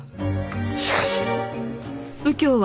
しかし。